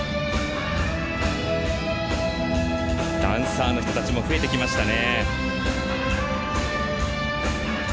ダンサーの人たちも増えてきましたね。